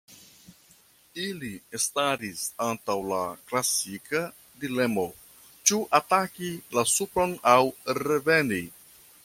Ili staris antaŭ la klasika dilemo: ĉu ataki la supron aŭ reveni?